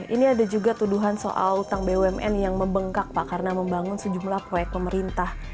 ini ada juga tuduhan soal utang bumn yang membengkak pak karena membangun sejumlah proyek pemerintah